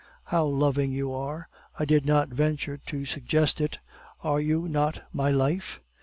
"How loving you are! I did not venture to suggest it " "Are you not my life?"